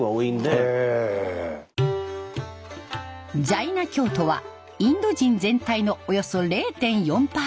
ジャイナ教徒はインド人全体のおよそ０．４％。